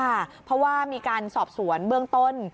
เพราะว่ามีการสอบสวนเบื้องต้น